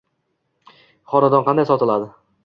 xonadon qanday sotiladi?